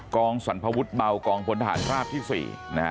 กองสวรรค์พระพุทธเบากองคนทหารทาบที่๔